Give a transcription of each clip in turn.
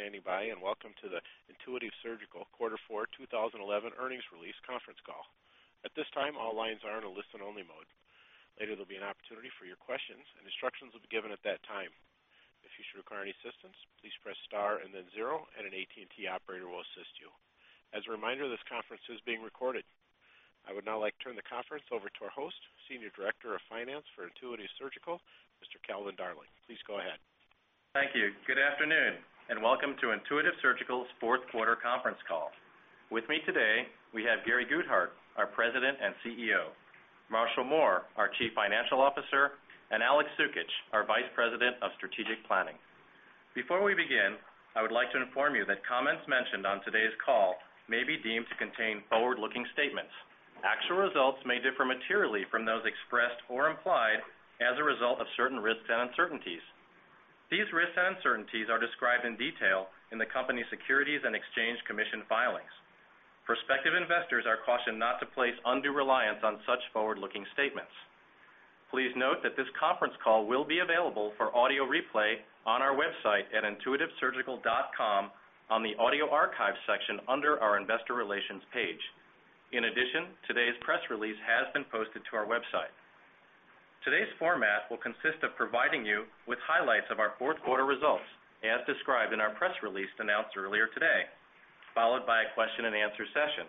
Thank you for standing by and welcome to the Intuitive Surgical Quarter Four 2011 Earnings Release Conference Call. At this time, all lines are in a listen-only mode. Later, there'll be an opportunity for your questions, and instructions will be given at that time. If you should require any assistance, please press star and then zero, and an AT&T operator will assist you. As a reminder, this conference is being recorded. I would now like to turn the conference over to our host, Senior Director of Finance for Intuitive Surgical, Mr. Calvin Darling. Please go ahead. Thank you. Good afternoon, and welcome to Intuitive Surgical's Fourth Quarter Conference Call. With me today, we have Gary Guthart, our President and CEO, Marshall Mohr, our Chief Financial Officer, and Aleks Cukic, our Vice President of Strategic Planning. Before we begin, I would like to inform you that comments mentioned on today's call may be deemed to contain forward-looking statements. Actual results may differ materially from those expressed or implied as a result of certain risks and uncertainties. These risks and uncertainties are described in detail in the company's Securities and Exchange Commission filings. Prospective investors are cautioned not to place undue reliance on such forward-looking statements. Please note that this conference call will be available for audio replay on our website at intuitivesurgical.com on the audio archives section under our investor relations page. In addition, today's press release has been posted to our website. Today's format will consist of providing you with highlights of our fourth quarter results, as described in our press release announced earlier today, followed by a question and answer session.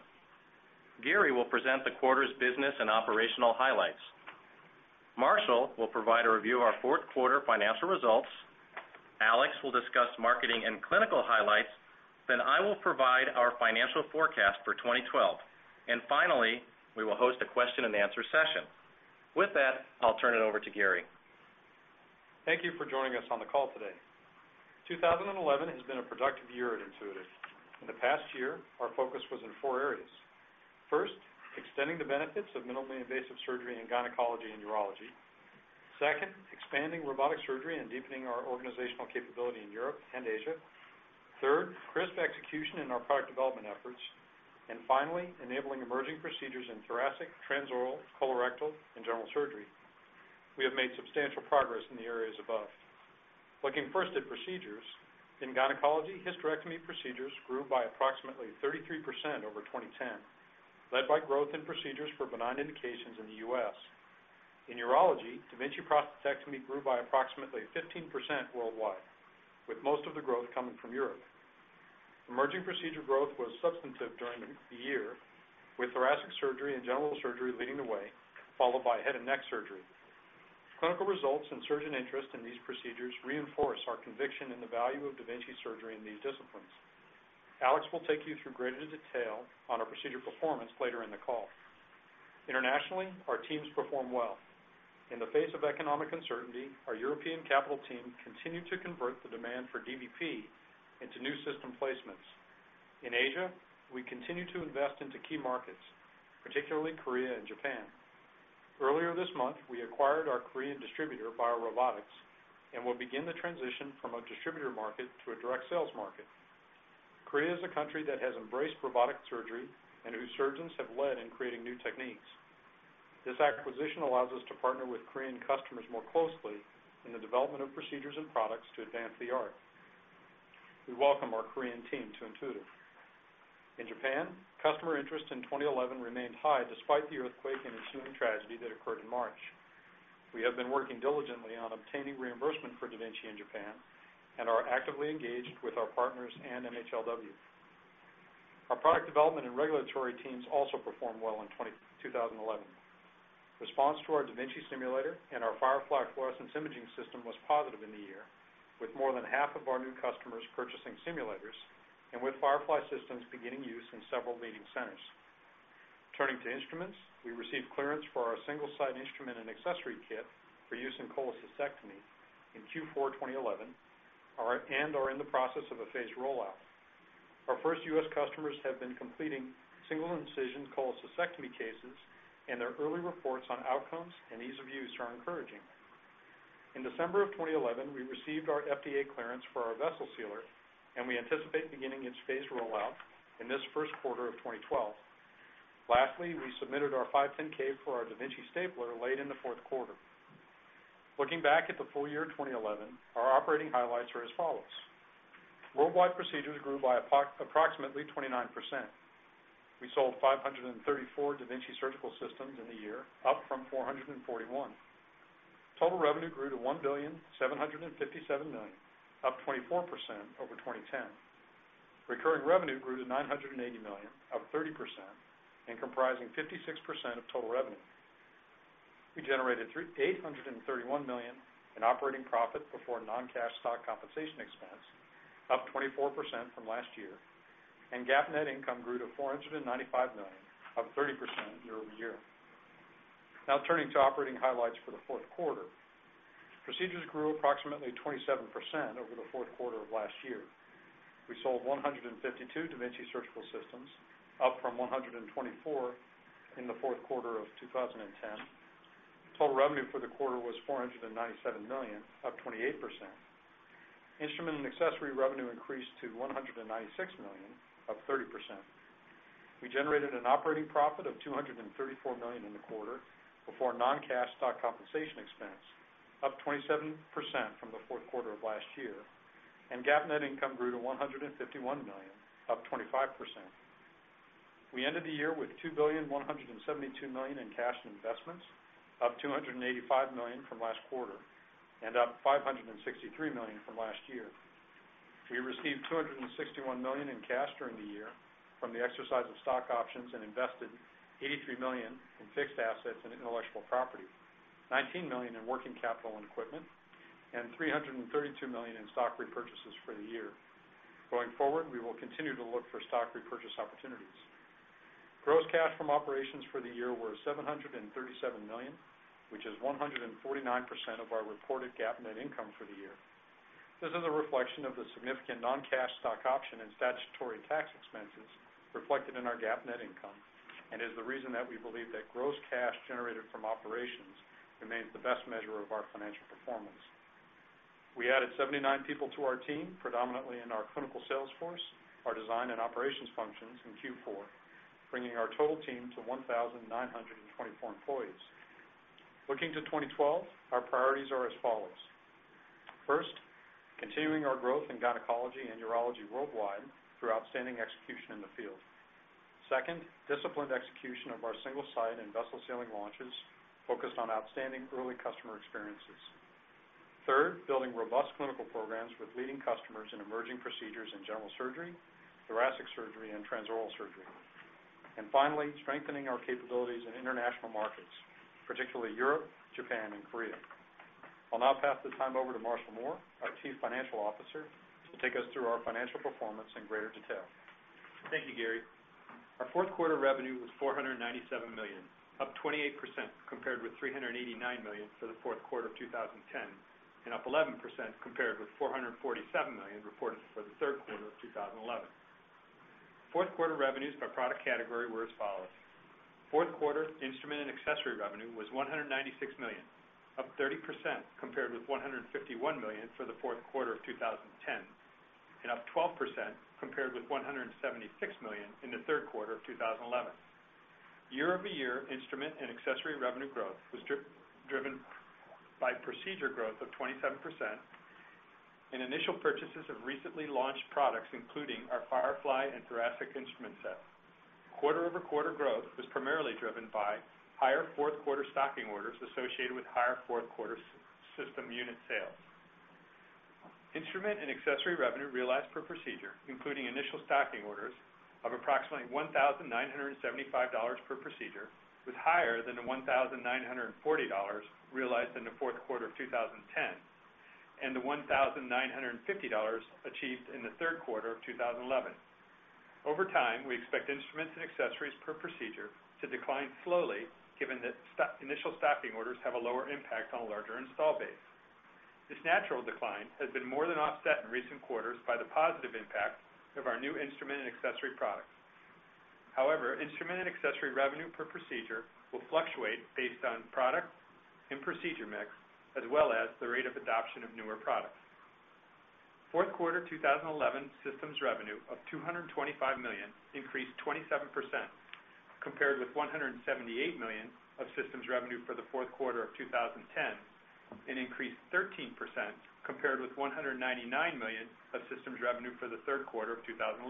Gary will present the quarter's business and operational highlights. Marshall will provide a review of our fourth quarter financial results. Aleks will discuss marketing and clinical highlights. I will provide our financial forecast for 2012. Finally, we will host a question and answer session. With that, I'll turn it over to Gary. Thank you for joining us on the call today. 2011 has been a productive year at Intuitive. In the past year, our focus was in four areas. First, extending the benefits of minimally invasive surgery in gynecology and urology. Second, expanding robotic surgery and deepening our organizational capability in Europe and Asia. Third, risk execution in our product development efforts. Finally, enabling emerging procedures in thoracic, transoral, colorectal, and general surgery. We have made substantial progress in the areas above. Looking first at procedures, in gynecology, hysterectomy procedures grew by approximately 33% over 2010, led by growth in procedures for benign indications in the U.S. In urology, da Vinci prostatectomy grew by approximately 15% worldwide, with most of the growth coming from Europe. Emerging procedure growth was substantive during the year, with thoracic surgery and general surgery leading the way, followed by head and neck surgery. Clinical results and surgeon interest in these procedures reinforce our conviction in the value of da Vinci surgery in these disciplines. Aleks will take you through greater detail on our procedure performance later in the call. Internationally, our teams perform well. In the face of economic uncertainty, our European capital team continued to convert the demand for dVP into new system placements. In Asia, we continue to invest into key markets, particularly Korea and Japan. Earlier this month, we acquired our Korean distributor, BioRobotics, and will begin the transition from a distributor market to a direct sales market. Korea is a country that has embraced robotic surgery and whose surgeons have led in creating new techniques. This acquisition allows us to partner with Korean customers more closely in the development of procedures and products to advance the art. We welcome our Korean team to Intuitive. In Japan, customer interest in 2011 remained high despite the earthquake and ensuing tragedy that occurred in March. We have been working diligently on obtaining reimbursement for da Vinci in Japan and are actively engaged with our partners and MHLW. Our product development and regulatory teams also performed well in 2011. Response to our da Vinci simulator and our Firefly fluorescence imaging system was positive in the year, with more than half of our new customers purchasing simulators and with Firefly systems beginning use in several leading centers. Turning to instruments, we received clearance for our single-site instrument and accessory kit for use in cholecystectomy in Q4 2011 and are in the process of a phased rollout. Our first U.S. customers have been completing single-incision cholecystectomy cases, and their early reports on outcomes and ease of use are encouraging. In December of 2011, we received our FDA clearance for our vessel sealer, and we anticipate beginning its phased rollout in this first quarter of 2012. Lastly, we submitted our 510(k) for our da Vinci stapler late in the fourth quarter. Looking back at the full year of 2011, our operating highlights are as follows: worldwide procedures grew by approximately 29%. We sold 534 da Vinci Surgical Systems in the year, up from 441. Total revenue grew to $1,757 million, up 24% over 2010. Recurring revenue grew to $980 million, up 30%, and comprising 56% of total revenue. We generated $831 million in operating profit before non-cash stock compensation expense, up 24% from last year. GAAP net income grew to $495 million, up 30% year-over-year. Now turning to operating highlights for the fourth quarter, procedures grew approximately 27% over the fourth quarter of last year. We sold 152 da Vinci Surgical Systems, up from 124 in the fourth quarter of 2010. Total revenue for the quarter was $497 million, up 28%. Instrument and accessory revenue increased to $196 million, up 30%. We generated an operating profit of $234 million in the quarter before non-cash stock compensation expense, up 27% from the fourth quarter of last year. GAAP net income grew to $151 million, up 25%. We ended the year with $2,172 million in cash and investments, up $285 million from last quarter, and up $563 million from last year. We received $261 million in cash during the year from the exercise of stock options and invested $83 million in fixed assets and intellectual property, $19 million in working capital and equipment, and $332 million in stock repurchases for the year. Going forward, we will continue to look for stock repurchase opportunities. Gross cash from operations for the year was $737 million, which is 149% of our reported GAAP net income for the year. This is a reflection of the significant non-cash stock option and statutory tax expenses reflected in our GAAP net income and is the reason that we believe that gross cash generated from operations remains the best measure of our financial performance. We added 79 people to our team, predominantly in our clinical sales force, our design, and operations functions in Q4, bringing our total team to 1,924 employees. Looking to 2012, our priorities are as follows: first, continuing our growth in gynecology and urology worldwide through outstanding execution in the field. Second, disciplined execution of our single-site and vessel sealing launches focused on outstanding early customer experiences. Third, building robust clinical programs with leading customers in emerging procedures in general surgery, thoracic surgery, and transoral surgery. Finally, strengthening our capabilities in international markets, particularly Europe, Japan, and Korea. I'll now pass the time over to Marshall Mohr, our Chief Financial Officer, to take us through our financial performance in greater detail. Thank you, Gary. Our fourth quarter revenue was $497 million, up 28% compared with $389 million for the fourth quarter of 2010, and up 11% compared with $447 million reported for the third quarter of 2011. Fourth quarter revenues by product category were as follows: fourth quarter instrument and accessory revenue was $196 million, up 30% compared with $151 million for the fourth quarter of 2010, and up 12% compared with $176 million in the third quarter of 2011. Year-over-year instrument and accessory revenue growth was driven by procedure growth of 27% and initial purchases of recently launched products, including our Firefly and thoracic instrument sets. Quarter-over-quarter growth was primarily driven by higher fourth quarter stocking orders associated with higher fourth quarter system unit sales. Instrument and accessory revenue realized per procedure, including initial stocking orders of approximately $1,975 per procedure, was higher than the $1,940 realized in the fourth quarter of 2010 and the $1,950 achieved in the third quarter of 2011. Over time, we expect instruments and accessories per procedure to decline slowly, given that initial stocking orders have a lower impact on a larger install base. This natural decline has been more than offset in recent quarters by the positive impact of our new instrument and accessory products. However, instrument and accessory revenue per procedure will fluctuate based on product and procedure mix, as well as the rate of adoption of newer products. Fourth quarter 2011 systems revenue of $225 million increased 27% compared with $178 million of systems revenue for the fourth quarter of 2010 and increased 13% compared with $199 million of systems revenue for the third quarter of 2011.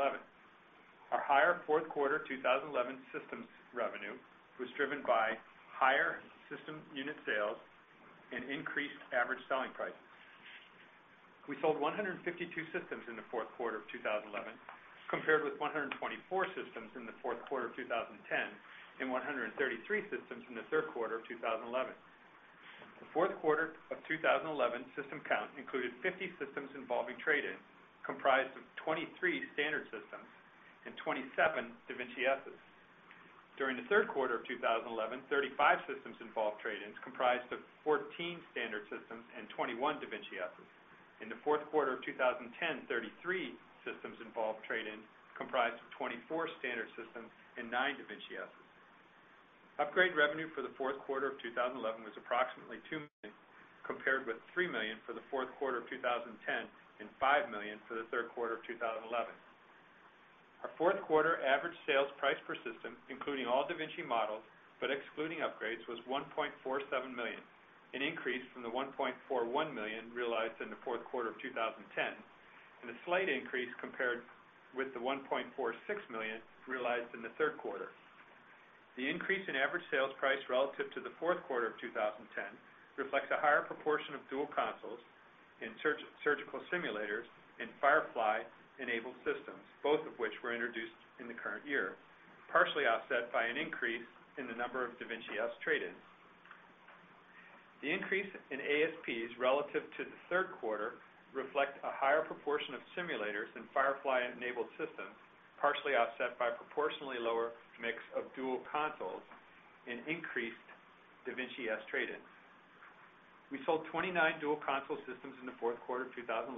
Our higher fourth quarter 2011 systems revenue was driven by higher system unit sales and increased average selling prices. We sold 152 systems in the fourth quarter of 2011, compared with 124 systems in the fourth quarter of 2010 and 133 systems in the third quarter of 2011. The fourth quarter of 2011 system count included 50 systems involving trade-ins, comprised of 23 standard systems and 27 da Vinci S systems. During the third quarter of 2011, 35 systems involved trade-ins, comprised of 14 standard systems and 21 da Vinci S system. In the fourth quarter of 2010, 33 systems involved trade-ins, comprised of 24 standard systems and 9 da Vinci S systems. Upgrade revenue for the fourth quarter of 2011 was approximately $2 million, compared with $3 million for the fourth quarter of 2010 and $5 million for the third quarter of 2011. Our fourth quarter average sales price per system, including all da Vinci models but excluding upgrades, was $1.47 million, an increase from the $1.41 million realized in the fourth quarter of 2010 and a slight increase compared with the $1.46 million realized in the third quarter. The increase in average sales price relative to the fourth quarter of 2010 reflects a higher proportion of dual consoles in surgical simulators and Firefly-enabled systems, both of which were introduced in the current year, partially offset by an increase in the number of da Vinci S trade-ins. The increase in ASPs relative to the third quarter reflects a higher proportion of simulators in Firefly-enabled systems, partially offset by a proportionally lower mix of dual consoles and increased da Vinci S trade-ins. We sold 29 dual console systems in the fourth quarter of 2011,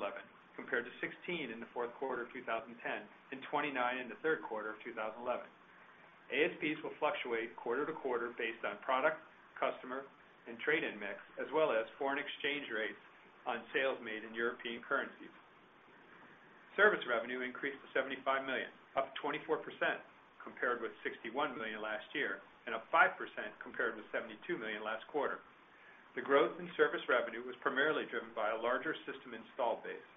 compared to 16 in the fourth quarter of 2010 and 29 in the third quarter of 2011. ASPs will fluctuate quarter to quarter based on product, customer, and trade-in mix, as well as foreign exchange rates on sales made in European currencies. Service revenue increased to $75 million, up 24% compared with $61 million last year, and up 5% compared with $72 million last quarter. The growth in service revenue was primarily driven by a larger system install base.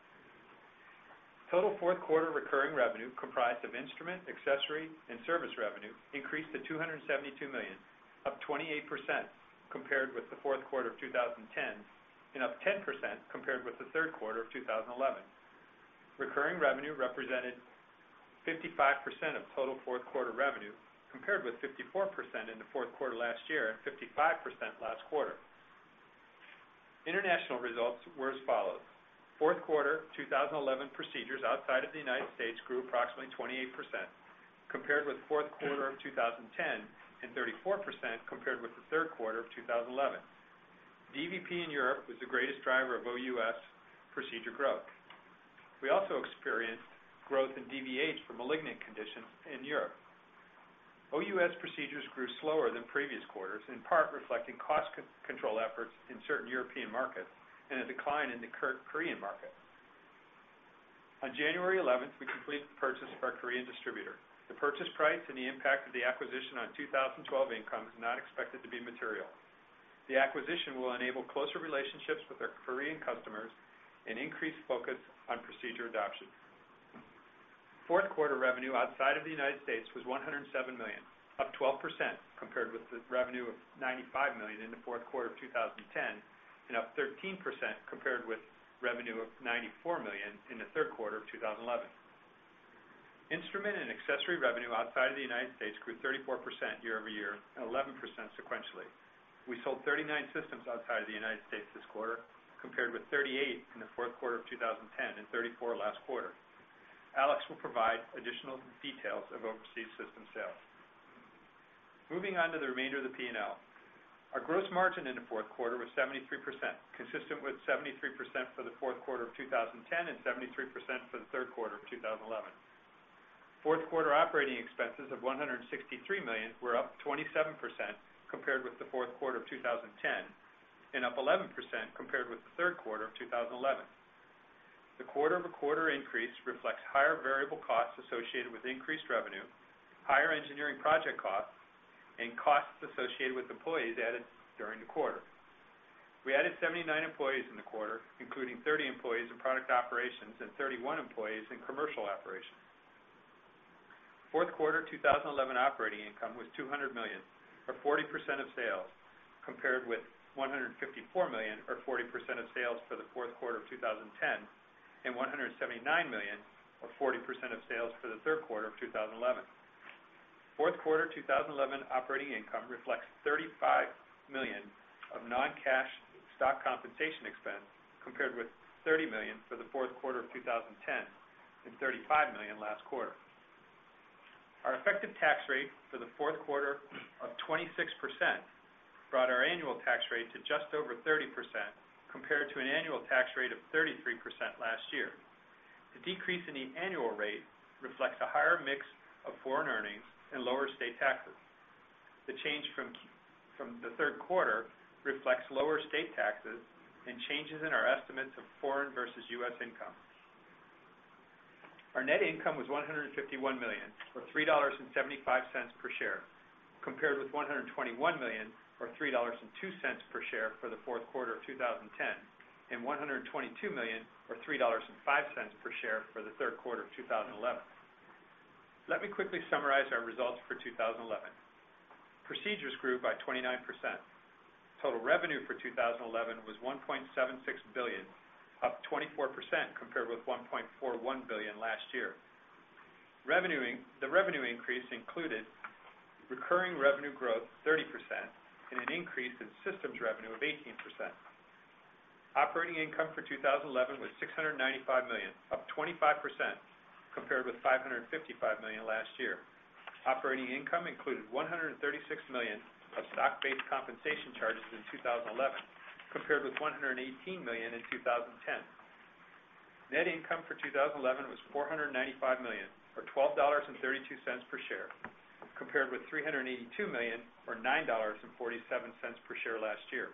Total fourth quarter recurring revenue, comprised of instrument, accessory, and service revenue, increased to $272 million, up 28% compared with the fourth quarter of 2010 and up 10% compared with the third quarter of 2011. Recurring revenue represented 55% of total fourth quarter revenue, compared with 54% in the fourth quarter last year and 55% last quarter. International results were as follows: fourth quarter 2011 procedures outside of the U.S. grew approximately 28% compared with the fourth quarter of 2010 and 34% compared with the third quarter of 2011. dVP in Europe was the greatest driver of OUS procedure growth. We also experienced growth in dVH for malignant conditions in Europe. OUS procedures grew slower than previous quarters, in part reflecting cost control efforts in certain European markets and a decline in the Korean market. On January 11th, we completed the purchase of our Korean distributor. The purchase price and the impact of the acquisition on 2012 income is not expected to be material. The acquisition will enable closer relationships with our Korean customers and increase focus on procedure adoption. Fourth quarter revenue outside of the U.S. was $107 million, up 12% compared with the revenue of $95 million in the fourth quarter of 2010 and up 13% compared with revenue of $94 million in the third quarter of 2011. Instrument and accessory revenue outside of the U.S. grew 34% year-over-year, 11% sequentially. We sold 39 systems outside of the U.S. this quarter, compared with 38 in the fourth quarter of 2010 and 34 last quarter. Aleks will provide additional details of overseas system sales. Moving on to the remainder of the P&L, our gross margin in the fourth quarter was 73%, consistent with 73% for the fourth quarter of 2010 and 73% for the third quarter of 2011. Fourth quarter operating expenses of $163 million were up 27% compared with the fourth quarter of 2010 and up 11% compared with the third quarter of 2011. The quarter-over-quarter increase reflects higher variable costs associated with increased revenue, higher engineering project costs, and costs associated with employees added during the quarter. We added 79 employees in the quarter, including 30 employees in product operations and 31 employees in commercial operations. Fourth quarter 2011 operating income was $200 million, or 40% of sales, compared with $154 million, or 40% of sales for the fourth quarter of 2010, and $179 million, or 40% of sales for the third quarter of 2011. Fourth quarter 2011 operating income reflects $35 million of non-cash stock compensation expense, compared with $30 million for the fourth quarter of 2010 and $35 million last quarter. Our effective tax rate for the fourth quarter of 2011 brought our annual tax rate to just over 30% compared to an annual tax rate of 33% last year. The decrease in the annual rate reflects a higher mix of foreign earnings and lower state taxes. The change from the third quarter reflects lower state taxes and changes in our estimates of foreign versus U.S. income. Our net income was $151 million, or $3.75 per share, compared with $121 million, or $3.02 per share for the fourth quarter of 2010, and $122 million, or $3.05 per share for the third quarter of 2011. Let me quickly summarize our results for 2011. Procedures grew by 29%. Total revenue for 2011 was $1.76 billion, up 24% compared with $1.41 billion last year. The revenue increase included recurring revenue growth of 30% and an increase in systems revenue of 18%. Operating income for 2011 was $695 million, up 25% compared with $555 million last year. Operating income included $136 million of stock-based compensation charges in 2011, compared with $118 million in 2010. Net income for 2011 was $495 million, or $12.32 per share, compared with $382 million, or $9.47 per share last year.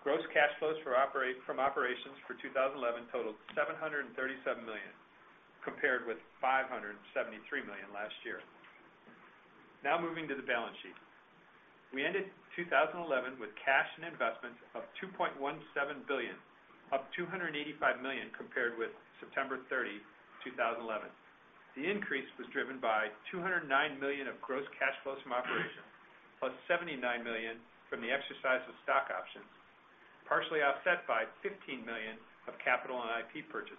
Gross cash flows from operations for 2011 totaled $737 million, compared with $573 million last year. Now moving to the balance sheet, we ended 2011 with cash and investments of $2.17 billion, up $285 million compared with September 30, 2011. The increase was driven by $209 million of gross cash flows from operations, plus $79 million from the exercise of stock options, partially offset by $15 million of capital and IP purchases.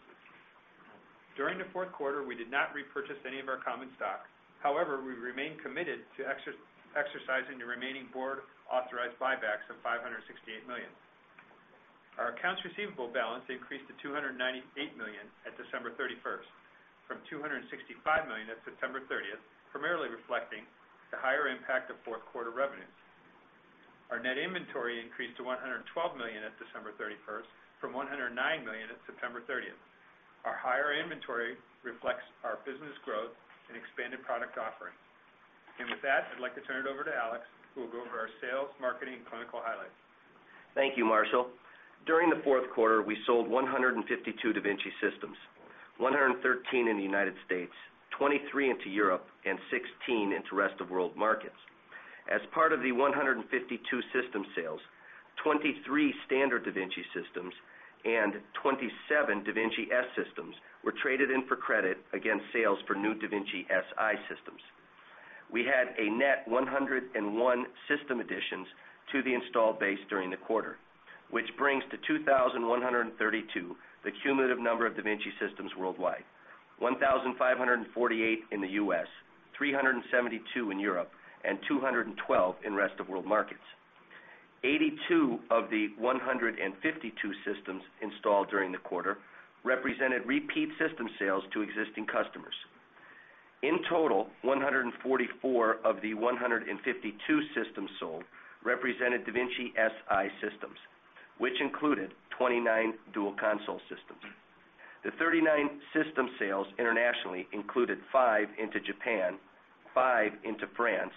During the fourth quarter, we did not repurchase any of our common stock. However, we remained committed to exercising the remaining board-authorized buybacks of $568 million. Our accounts receivable balance increased to $298 million at December 31st, from $265 million at September 30th, primarily reflecting the higher impact of fourth quarter revenues. Our net inventory increased to $112 million at December 31st, from $109 million at September 30th. Our higher inventory reflects our business growth and expanded product offerings. With that, I'd like to turn it over to Aleks, who will go over our sales, marketing, and clinical highlights. Thank you, Marshall. During the fourth quarter, we sold 152 da Vinci systems, 113 in the U.S., 23 into Europe, and 16 into rest of world markets. As part of the 152 system sales, 23 standard da Vinci systems and 27 da Vinci S systems were traded in for credit against sales for new da Vinci Si systems. We had a net 101 system additions to the install base during the quarter, which brings to 2,132 the cumulative number of da Vinci systems worldwide, 1,548 in the U.S., 372 in Europe, and 212 in rest of world markets. 82 of the 152 systems installed during the quarter represented repeat system sales to existing customers. In total, 144 of the 152 systems sold represented da Vinci Si systems, which included 29 dual console systems. The 39 system sales internationally included five into Japan, five into France,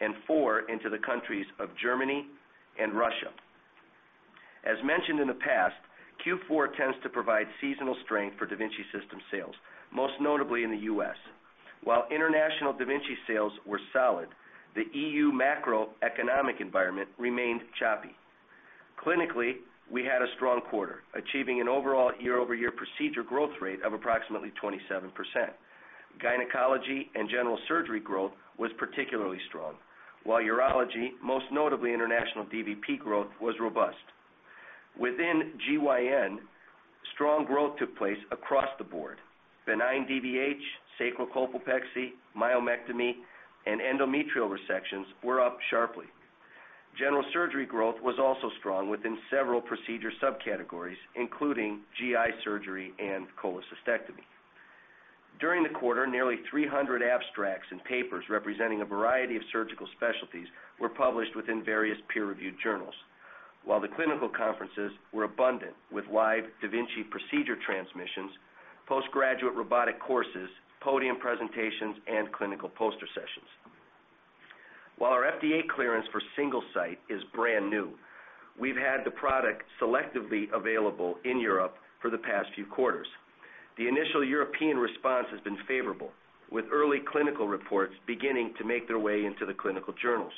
and four into the countries of Germany and Russia. As mentioned in the past, Q4 tends to provide seasonal strength for da Vinci system sales, most notably in the U.S. While international da Vinci sales were solid, the E.U. macroeconomic environment remained choppy. Clinically, we had a strong quarter, achieving an overall year-over-year procedure growth rate of approximately 27%. Gynecology and general surgery growth was particularly strong, while urology, most notably international dVP growth, was robust. Within GYN, strong growth took place across the board. Benign dVH, sacral colpopexy, myomectomy, and endometrial resections were up sharply. General surgery growth was also strong within several procedure subcategories, including GI surgery and cholecystectomy. During the quarter, nearly 300 abstracts and papers representing a variety of surgical specialties were published within various peer-reviewed journals, while the clinical conferences were abundant with live da Vinci procedure transmissions, postgraduate robotic courses, podium presentations, and clinical poster sessions. While our FDA clearance for single-site is brand new, we've had the product selectively available in Europe for the past few quarters. The initial European response has been favorable, with early clinical reports beginning to make their way into the clinical journals.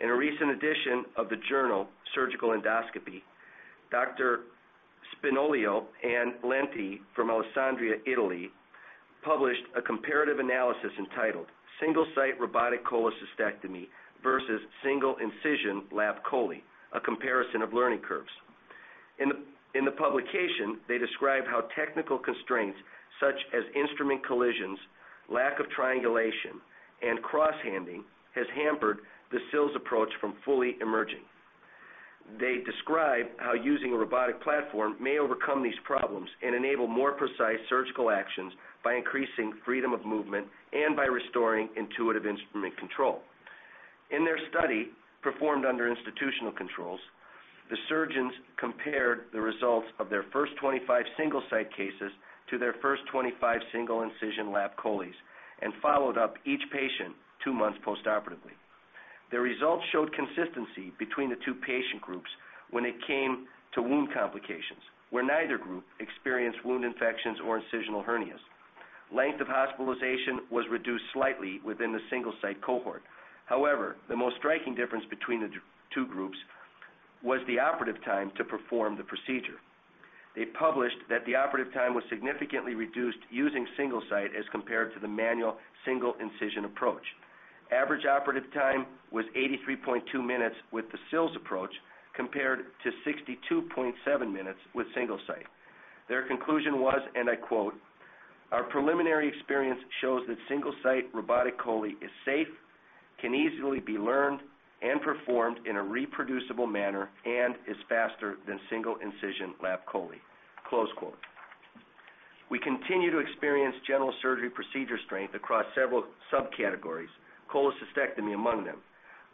In a recent edition of the journal Surgical Endoscopy, Dr. Spinolio and Valenti from Alessandria, Italy, published a comparative analysis entitled "Single-Site Robotic Cholecystectomy vs. Single Incision Lap Chole, a Comparison of Learning Curves." In the publication, they describe how technical constraints, such as instrument collisions, lack of triangulation, and cross-handing, have hampered the SILS approach from fully emerging. They describe how using a robotic platform may overcome these problems and enable more precise surgical actions by increasing freedom of movement and by restoring intuitive instrument control. In their study performed under institutional controls, the surgeons compared the results of their first 25 single-site cases to their first 25 single-incision lap choles and followed up each patient two months postoperatively. The results showed consistency between the two patient groups when it came to wound complications, where neither group experienced wound infections or incisional hernias. Length of hospitalization was reduced slightly within the single-site cohort. However, the most striking difference between the two groups was the operative time to perform the procedure. They published that the operative time was significantly reduced using single-site as compared to the manual single-incision approach. Average operative time was 83.2 minutes with the SILS approach compared to 62.7 minutes with single-site. Their conclusion was, and I quote, "Our preliminary experience shows that single-site robotic chole is safe, can easily be learned and performed in a reproducible manner, and is faster than single-incision lap chole." We continue to experience general surgery procedure strength across several subcategories, cholecystectomy among them.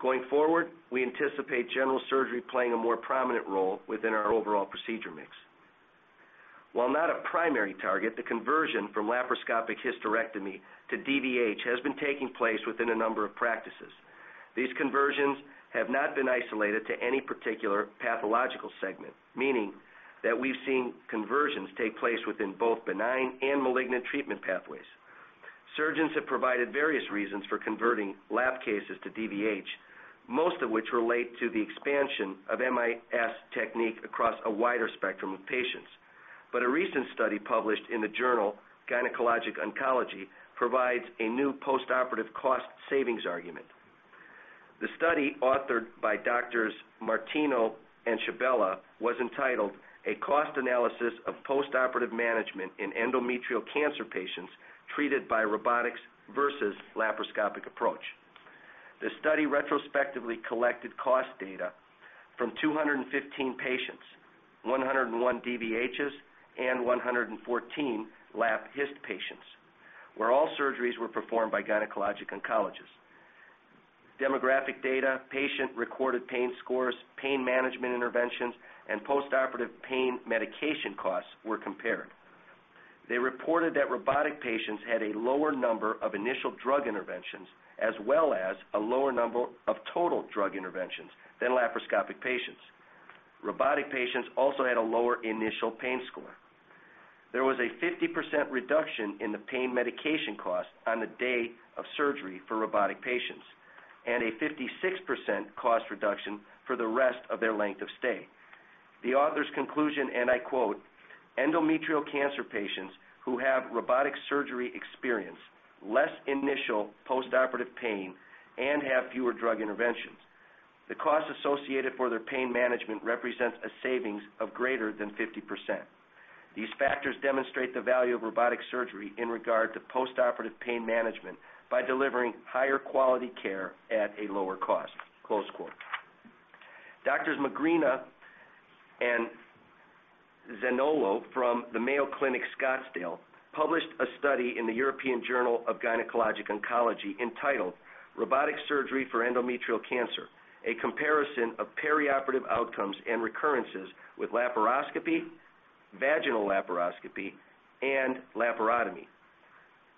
Going forward, we anticipate general surgery playing a more prominent role within our overall procedure mix. While not a primary target, the conversion from laparoscopic hysterectomy to dVH has been taking place within a number of practices. These conversions have not been isolated to any particular pathological segment, meaning that we've seen conversions take place within both benign and malignant treatment pathways. Surgeons have provided various reasons for converting lap cases to dVH, most of which relate to the expansion of MIS technique across a wider spectrum of patients. A recent study published in the journal Gynecologic Oncology provides a new postoperative cost savings argument. The study, authored by Dr. Martino and Shubella, was entitled "A Cost Analysis of Postoperative Management in Endometrial Cancer Patients Treated by Robotics vs. Laparoscopic Approach." The study retrospectively collected cost data from 215 patients, 101 dVHs, and 114 lap Hx patients, where all surgeries were performed by gynecologic oncologists. Demographic data, patient recorded pain scores, pain management interventions, and postoperative pain medication costs were compared. They reported that robotic patients had a lower number of initial drug interventions, as well as a lower number of total drug interventions than laparoscopic patients. Robotic patients also had a lower initial pain score. There was a 50% reduction in the pain medication cost on the day of surgery for robotic patients and a 56% cost reduction for the rest of their length of stay. The author's conclusion, and I quote, "Endometrial cancer patients who have robotic surgery experience less initial postoperative pain and have fewer drug interventions." The cost associated for their pain management represents a savings of greater than 50%. These factors demonstrate the value of robotic surgery in regard to postoperative pain management by delivering higher quality care at a lower cost. Dr. Magrina and Zanagnolo from the Mayo Clinic Scottsdale published a study in the European Journal of Gynecologic Oncology entitled "Robotic Surgery for Endometrial Cancer: A Comparison of Perioperative Outcomes and Recurrences with Laparoscopy, Vaginal Laparoscopy, and Laparotomy."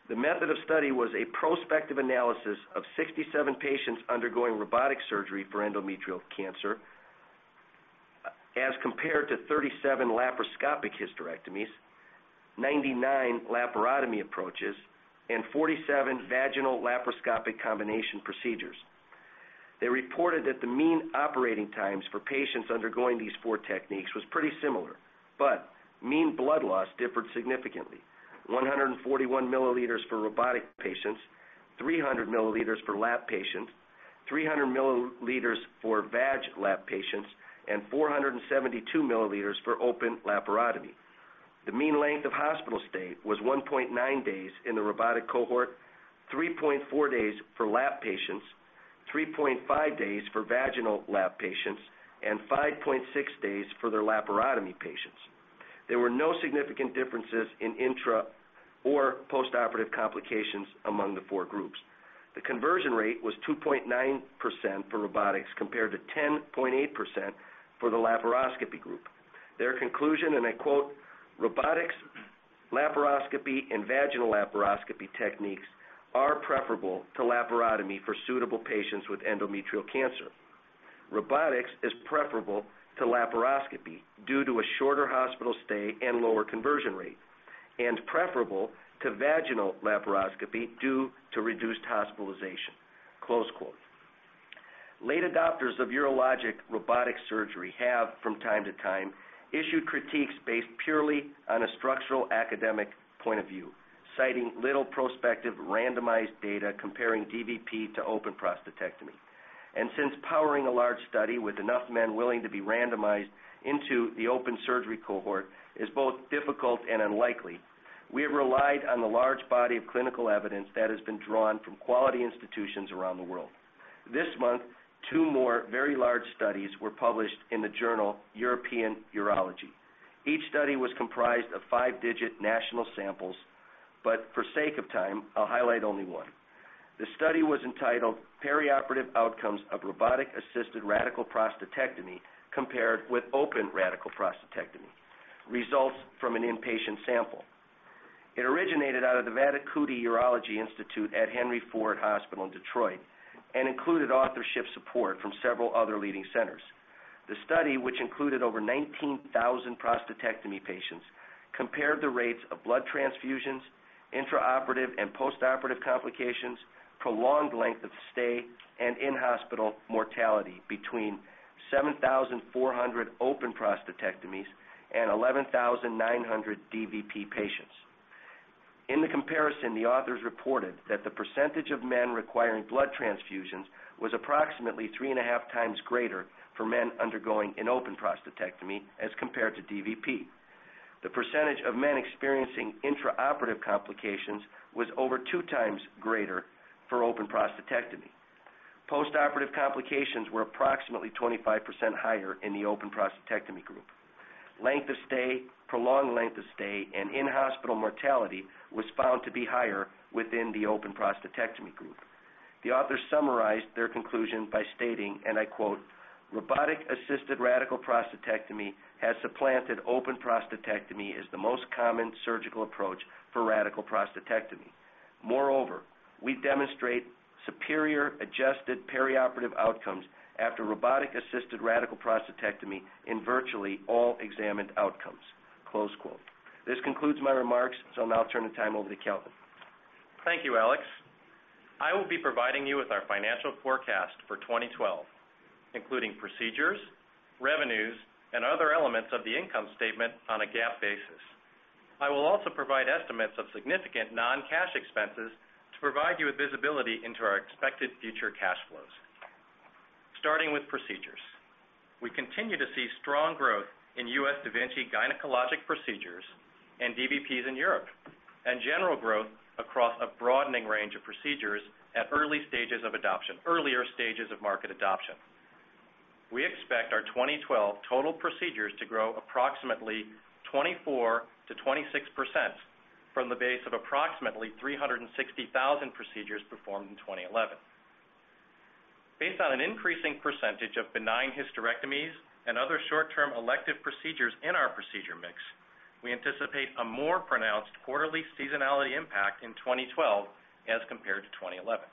The method of study was a prospective analysis of 67 patients undergoing robotic surgery for endometrial cancer as compared to 37 laparoscopic hysterectomies, 99 laparotomy approaches, and 47 vaginal laparoscopic combination procedures. They reported that the mean operating times for patients undergoing these four techniques were pretty similar, but mean blood loss differed significantly: 141 mL for robotic patients, 300 mL for lap patients, 300 mL for vag lap patients, and 472 mL for open laparotomy. The mean length of hospital stay was 1.9 days in the robotic cohort, 3.4 days for lap patients, 3.5 days for vaginal lap patients, and 5.6 days for the laparotomy patients. There were no significant differences in intra or postoperative complications among the four groups. The conversion rate was 2.9% for robotics compared to 10.8% for the laparoscopy group. Their conclusion, and I quote, "Robotics, laparoscopy, and vaginal laparoscopy techniques are preferable to laparotomy for suitable patients with endometrial cancer. Robotics is preferable to laparoscopy due to a shorter hospital stay and lower conversion rate, and preferable to vaginal laparoscopy due to reduced hospitalization." Late adopters of urologic robotic surgery have, from time to time, issued critiques based purely on a structural academic point of view, citing little prospective randomized data comparing dVP to open prostatectomy. Since powering a large study with enough men willing to be randomized into the open surgery cohort is both difficult and unlikely, we have relied on the large body of clinical evidence that has been drawn from quality institutions around the world. This month, two more very large studies were published in the journal European Urology. Each study was comprised of five-digit national samples, but for sake of time, I'll highlight only one. The study was entitled "Perioperative Outcomes of Robotic-Assisted Radical Prostatectomy Compared with Open Radical Prostatectomy: Results from an Inpatient Sample." It originated out of the Vattikuti Urology Institute at Henry Ford Hospital in Detroit and included authorship support from several other leading centers. The study, which included over 19,000 prostatectomy patients, compared the rates of blood transfusions, intraoperative and postoperative complications, prolonged length of stay, and in-hospital mortality between 7,400 open prostatectomies and 11,900 dVP patients. In the comparison, the authors reported that the percentage of men requiring blood transfusions was approximately 3.5x greater for men undergoing an open prostatectomy as compared to dVP. The percentage of men experiencing intraoperative complications was over 2x greater for open prostatectomy. Postoperative complications were approximately 25% higher in the open prostatectomy group. Length of stay, prolonged length of stay, and in-hospital mortality was found to be higher within the open prostatectomy group. The authors summarized their conclusion by stating, and I quote, "Robotic-assisted radical prostatectomy has supplanted open prostatectomy as the most common surgical approach for radical prostatectomy. Moreover, we demonstrate superior adjusted perioperative outcomes after robotic-assisted radical prostatectomy in virtually all examined outcomes." This concludes my remarks, so now I'll turn the time over to Calvin. Thank you, Aleks. I will be providing you with our financial forecast for 2012, including procedures, revenues, and other elements of the income statement on a GAAP basis. I will also provide estimates of significant non-cash expenses to provide you with visibility into our expected future cash flows. Starting with procedures, we continue to see strong growth in U.S. da Vinci gynecologic procedures and dVPs in Europe and general growth across a broadening range of procedures at early stages of adoption, earlier stages of market adoption. We expect our 2012 total procedures to grow approximately 24%-26% from the base of approximately 360,000 procedures performed in 2011. Based on an increasing percentage of benign hysterectomies and other short-term elective procedures in our procedure mix, we anticipate a more pronounced quarterly seasonality impact in 2012 as compared to 2011.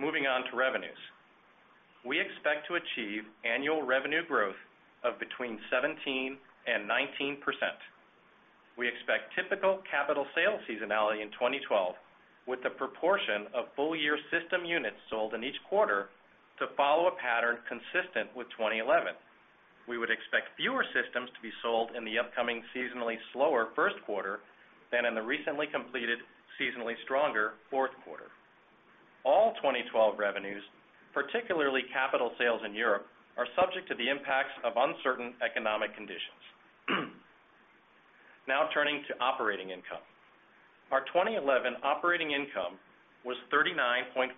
Moving on to revenues, we expect to achieve annual revenue growth of between 17% and 19%. We expect typical capital sales seasonality in 2012, with the proportion of full-year system units sold in each quarter to follow a pattern consistent with 2011. We would expect fewer systems to be sold in the upcoming seasonally slower first quarter than in the recently completed, seasonally stronger fourth quarter. All 2012 revenues, particularly capital sales in Europe, are subject to the impacts of uncertain economic conditions. Now turning to operating income, our 2011 operating income was 39.5%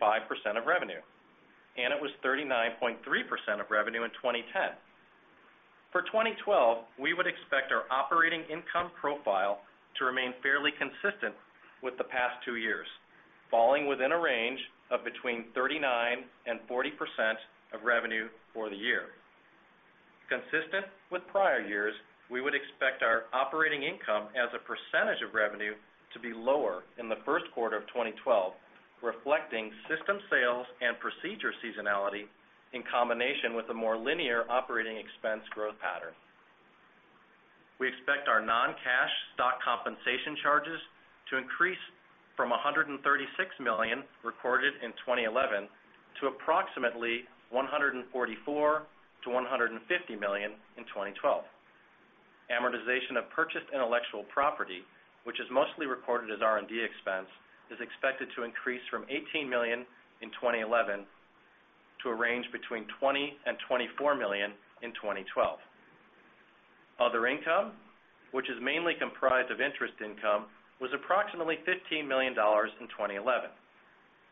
of revenue, and it was 39.3% of revenue in 2010. For 2012, we would expect our operating income profile to remain fairly consistent with the past two years, falling within a range of between 39% and 40% of revenue for the year. Consistent with prior years, we would expect our operating income as a percentage of revenue to be lower in the first quarter of 2012, reflecting system sales and procedure seasonality in combination with a more linear operating expense growth pattern. We expect our non-cash stock compensation charges to increase from $136 million recorded in 2011 to approximately $144 million-$150 million in 2012. Amortization of purchased intellectual property, which is mostly recorded as R&D expense, is expected to increase from $18 million in 2011 to a range between $20 million and $24 million in 2012. Other income, which is mainly comprised of interest income, was approximately $15 million in 2011.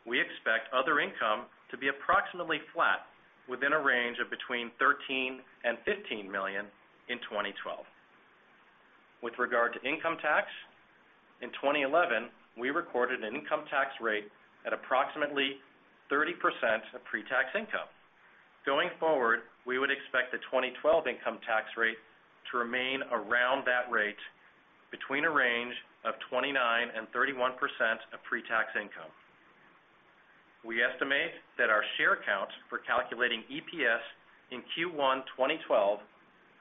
We expect other income to be approximately flat within a range of between $13 million and $15 million in 2012. With regard to income tax, in 2011, we recorded an income tax rate at approximately 30% of pre-tax income. Going forward, we would expect the 2012 income tax rate to remain around that rate between a range of 29% and 31% of pre-tax income. We estimate that our share count for calculating EPS in Q1 2012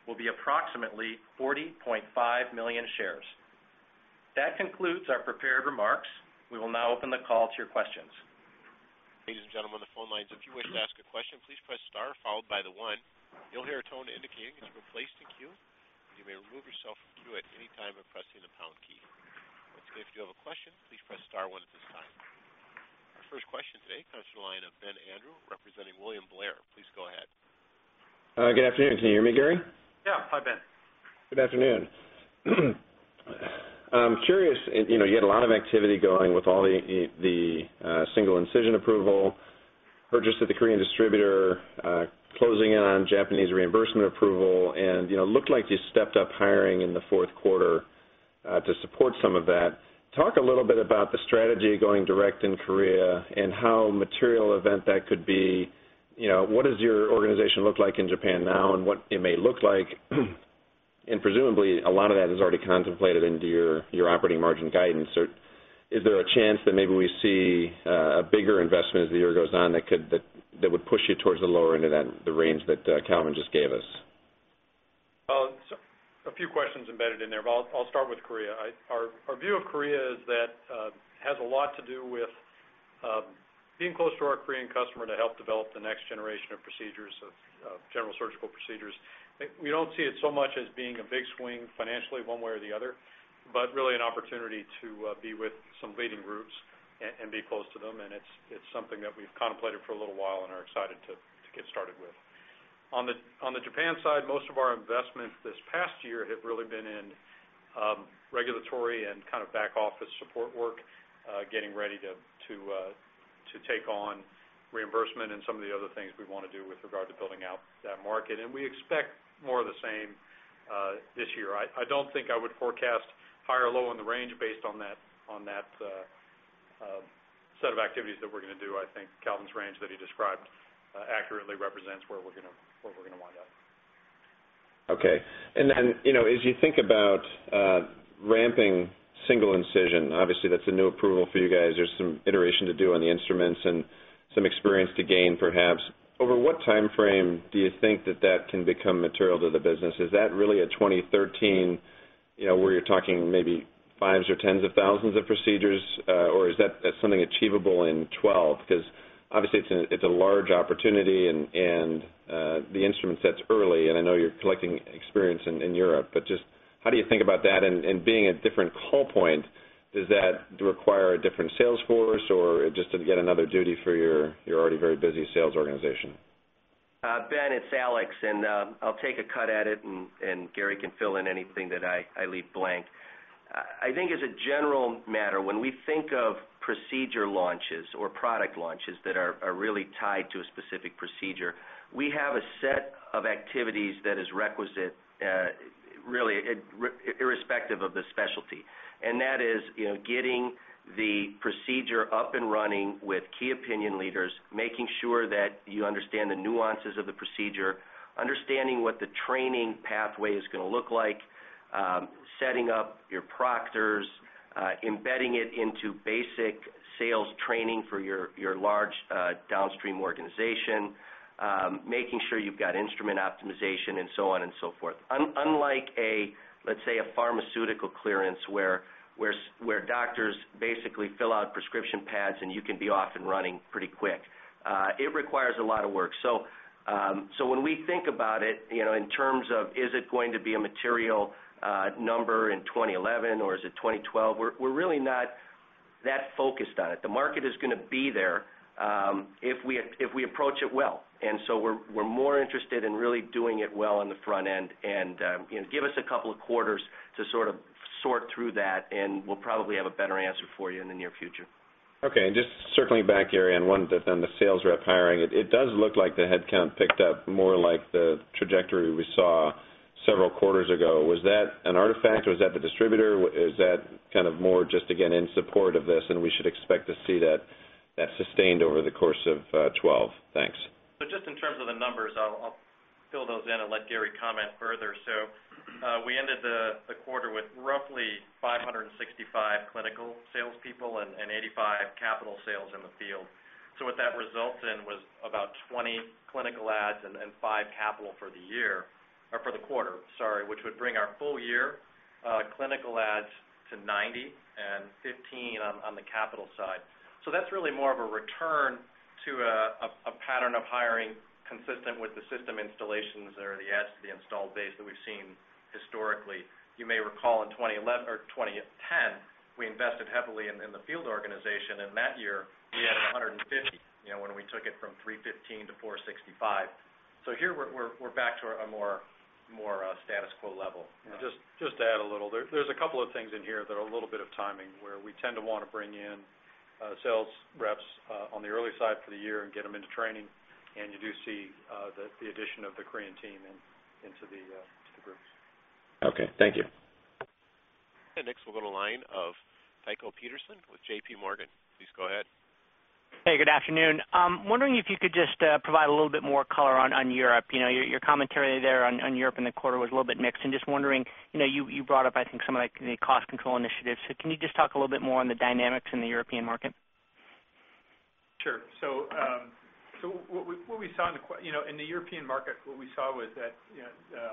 will be approximately 40.5 million shares. That concludes our prepared remarks. We will now open the call to your questions. Ladies and gentlemen on the phone lines, if you wish to ask a question, please press star followed by the one. You'll hear a tone indicating that you've been placed in queue, and you may remove yourself from the queue at any time by pressing the pound key. If you do have a question, please press star one at this time. Our first question today comes from the line of Ben Andrew representing William Blair. Please go ahead. Good afternoon. Can you hear me, Gary? Yeah. Hi, Ben. Good afternoon. I'm curious, you know, you had a lot of activity going with all the single-site incision approval, purchase of the Korean distributor, closing in on Japanese reimbursement approval, and it looked like you stepped up hiring in the fourth quarter to support some of that. Talk a little bit about the strategy going direct in Korea and how material an event that could be. What does your organization look like in Japan now and what it may look like? Presumably, a lot of that is already contemplated into your operating margin guidance. Is there a chance that maybe we see a bigger investment as the year goes on that would push you towards the lower end of that, the range that Calvin just gave us? A few questions embedded in there. I'll start with Korea. Our view of Korea is that it has a lot to do with being close to our Korean customer to help develop the next generation of procedures, of general surgical procedures. We don't see it so much as being a big swing financially one way or the other, but really an opportunity to be with some leading groups and be close to them. It's something that we've contemplated for a little while and are excited to get started with. On the Japan side, most of our investments this past year have really been in regulatory and kind of back office support work, getting ready to take on reimbursement and some of the other things we want to do with regard to building out that market. We expect more of the same this year. I don't think I would forecast high or low in the range based on that set of activities that we're going to do. I think Calvin's range that he described accurately represents where we're going to wind up. Okay. As you think about ramping single incision, obviously, that's a new approval for you guys. There's some iteration to do on the instruments and some experience to gain perhaps. Over what time frame do you think that that can become material to the business? Is that really a 2013, you know, where you're talking maybe fives or tens of thousands of procedures, or is that something achievable in 2012? Obviously, it's a large opportunity and the instrument sets early. I know you're collecting experience in Europe, but just how do you think about that? Being a different call point, does that require a different sales force or just another duty for your already very busy sales organization? Ben, it's Aleks, and I'll take a cut at it, and Gary can fill in anything that I leave blank. I think as a general matter, when we think of procedure launches or product launches that are really tied to a specific procedure, we have a set of activities that is requisite, really irrespective of the specialty. That is getting the procedure up and running with key opinion leaders, making sure that you understand the nuances of the procedure, understanding what the training pathway is going to look like, setting up your proctors, embedding it into basic sales training for your large downstream organization, making sure you've got instrument optimization, and so on and so forth. Unlike, let's say, a pharmaceutical clearance where doctors basically fill out prescription pads and you can be off and running pretty quick, it requires a lot of work. When we think about it in terms of is it going to be a material number in 2011 or is it 2012, we're really not that focused on it. The market is going to be there if we approach it well. We're more interested in really doing it well on the front end. Give us a couple of quarters to sort of sort through that, and we'll probably have a better answer for you in the near future. Okay. Circling back, Gary, on the sales rep hiring, it does look like the headcount picked up more like the trajectory we saw several quarters ago. Was that an artifact or was that the distributor? Is that kind of more just, again, in support of this, and we should expect to see that sustained over the course of 2012? Thanks. In terms of the numbers, I'll fill those in and let Gary comment further. We ended the quarter with roughly 565 clinical salespeople and 85 capital sales in the field. That resulted in about 20 clinical adds and 5 capital for the quarter, which would bring our full year clinical adds to 90 and 15 on the capital side. That's really more of a return to a pattern of hiring consistent with the system installations or the adds to the installed base that we've seen historically. You may recall in 2010 we invested heavily in the field organization, and that year we added 150, you know, when we took it from 315 to 465. Here we're back to a more status quo level. Just to add a little, there's a couple of things in here that are a little bit of timing where we tend to want to bring in sales reps on the early side for the year and get them into training. You do see the addition of the Korean team into the group. Okay, thank you. Next, we'll go to the line of Tycho Peterson with JPMorgan. Please go ahead. Hey, good afternoon. I'm wondering if you could just provide a little bit more color on Europe. Your commentary there on Europe in the quarter was a little bit mixed. I'm just wondering, you brought up, I think, some of the cost control initiatives. Can you just talk a little bit more on the dynamics in the European market? Sure. What we saw in the European market was that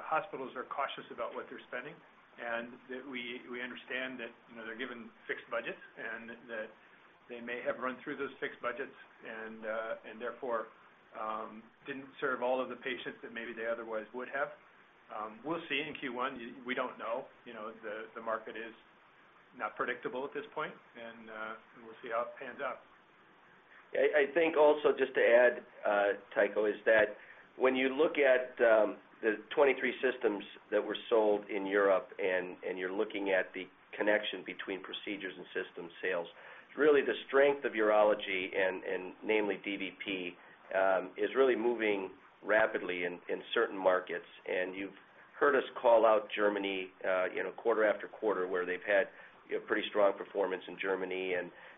hospitals are cautious about what they're spending, and we understand that they're given fixed budgets and that they may have run through those fixed budgets and therefore didn't serve all of the patients that maybe they otherwise would have. We'll see in Q1. We don't know. The market is not predictable at this point, and we'll see how it pans out. I think also just to add, Tycho, is that when you look at the 23 systems that were sold in Europe and you're looking at the connection between procedures and system sales, really the strength of urology and namely dVP is really moving rapidly in certain markets. You've heard us call out Germany quarter after quarter where they've had pretty strong performance in Germany.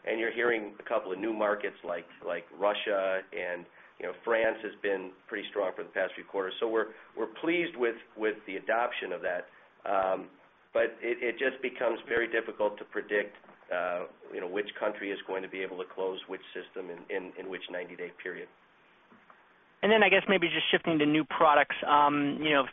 You're hearing a couple of new markets like Russia, and France has been pretty strong for the past few quarters. We're pleased with the adoption of that. It just becomes very difficult to predict which country is going to be able to close which system in which 90-day period. I guess maybe just shifting to new products.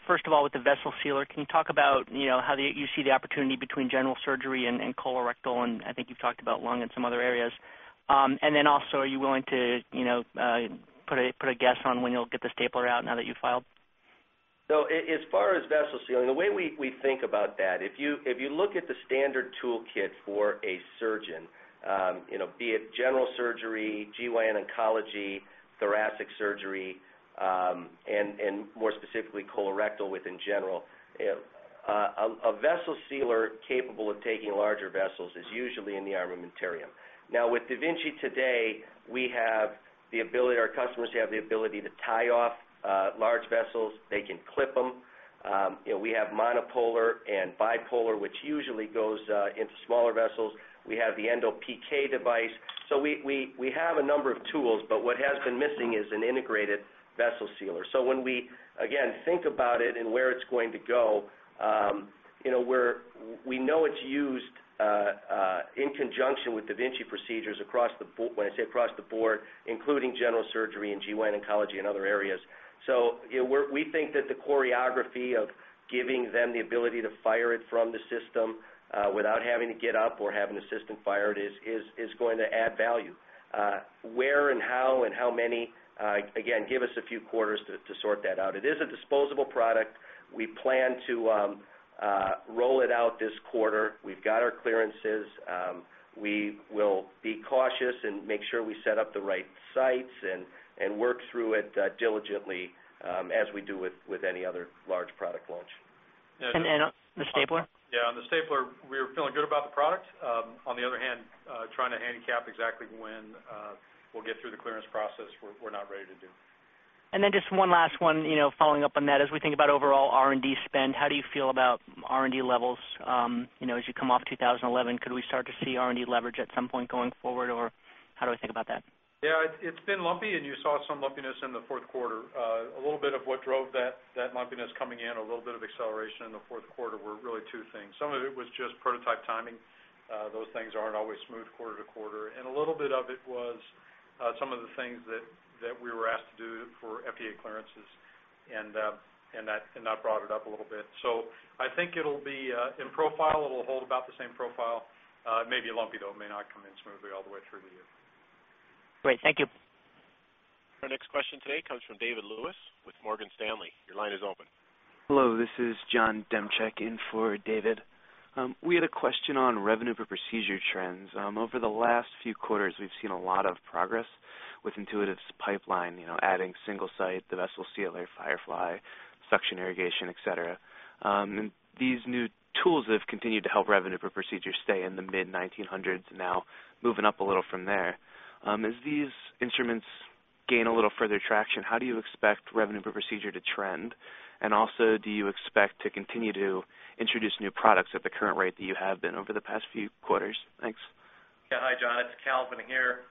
First of all, with the vessel sealer, can you talk about how you see the opportunity between general surgery and colorectal? I think you've talked about lung and some other areas. Also, are you willing to put a guess on when you'll get the stapler out now that you filed? As far as vessel sealing, the way we think about that, if you look at the standard toolkit for a surgeon, be it general surgery, GYN oncology, thoracic surgery, and more specifically colorectal within general, a vessel sealer capable of taking larger vessels is usually in the armamentarium. Now, with da Vinci today, we have the ability, our customers have the ability to tie off large vessels. They can clip them. We have monopolar and bipolar, which usually goes into smaller vessels. We have the Endo PK device. We have a number of tools, but what has been missing is an integrated vessel sealer. When we, again, think about it and where it's going to go, we know it's used in conjunction with da Vinci procedures across the board. When I say across the board, including general surgery and GYN oncology and other areas. We think that the choreography of giving them the ability to fire it from the system without having to get up or having an assistant fire it is going to add value. Where and how and how many, again, give us a few quarters to sort that out. It is a disposable product. We plan to roll it out this quarter. We've got our clearances. We will be cautious and make sure we set up the right sites and work through it diligently as we do with any other large product launch. The stapler? Yeah. On the stapler, we're feeling good about the product. On the other hand, trying to handicap exactly when we'll get through the clearance process, we're not ready to do. Just one last one, following up on that. As we think about overall R&D spend, how do you feel about R&D levels? As you come off 2011, could we start to see R&D leverage at some point going forward, or how do we think about that? Yeah. It's been lumpy, and you saw some lumpiness in the fourth quarter. A little bit of what drove that lumpiness coming in, a little bit of acceleration in the fourth quarter were really two things. Some of it was just prototype timing. Those things aren't always smooth quarter to quarter. A little bit of it was some of the things that we were asked to do for FDA clearances, and that brought it up a little bit. I think it'll be in profile. It'll hold about the same profile. It may be lumpy, though. It may not come in smoothly all the way through the year. Great. Thank you. Our next question today comes from David Lewis with Morgan Stanley. Your line is open. Hello. This is Jon Demchick in for David. We had a question on revenue per procedure trends. Over the last few quarters, we've seen a lot of progress with Intuitive's pipeline, you know, adding single-site, the vessel sealer, Firefly, suction irrigation, etc. These new tools have continued to help revenue per procedure stay in the mid $1,900 and now moving up a little from there. As these instruments gain a little further traction, how do you expect revenue per procedure to trend? Also, do you expect to continue to introduce new products at the current rate that you have been over the past few quarters? Thanks. Yeah. Hi, Jon. It's Calvin here.